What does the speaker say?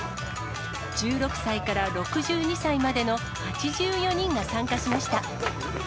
１６歳から６２歳までの８４人が参加しました。